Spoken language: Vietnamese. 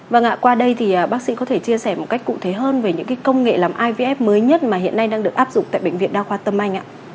vâng ạ qua đây thì bác sĩ có thể chia sẻ một cách cụ thể hơn về những công nghệ làm ivf mới nhất mà hiện nay đang được áp dụng tại bệnh viện đa khoa tâm anh ạ